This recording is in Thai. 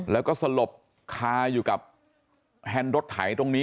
แล้วก็สลบคาอยู่กับแฮนด์รถไถตรงนี้